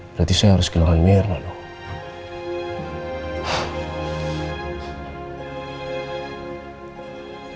berarti saya harus kehilangan mirna dong